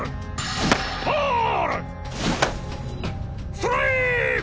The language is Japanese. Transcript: ストライーク！